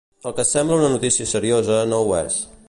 El que sembla una notícia seriosa no ho és.